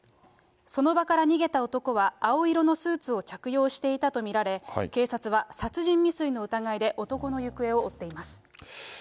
その場から逃げた男は青色のスーツを着用していたと見られ、警察は殺人未遂の疑いで男の行方を追っています。